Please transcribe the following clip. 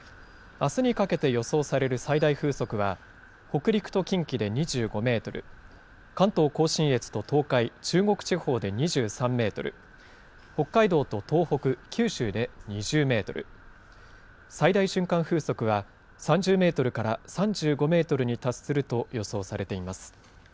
あすにかけて予想される最大風速は、北陸と近畿で２５メートル、関東甲信越と東海、中国地方で２３メートル、北海道と東北、九州で２０メートル、最大瞬間風速は３０メートルから３５メートルに達すると予想されています。